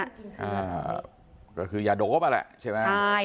อ่าก็คืออย่าโดบอ่ะแหละใช่ไหม